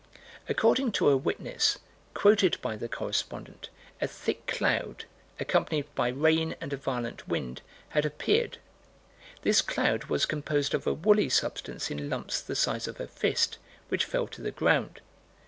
According to a witness, quoted by the correspondent, a thick cloud, accompanied by rain and a violent wind, had appeared. This cloud was composed of a woolly substance in lumps the size of a fist, which fell to the ground.